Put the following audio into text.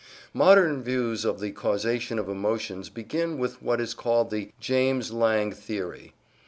Modern views on the causation of emotions begin with what is called the James Lange theory.